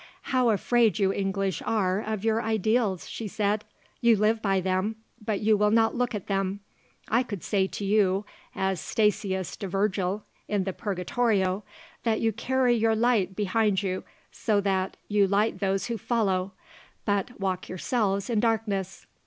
"How afraid you English are of your ideals," she said. "You live by them, but you will not look at them. I could say to you as Statius to Virgil in the Purgatorio that you carry your light behind you so that you light those who follow, but walk yourselves in darkness.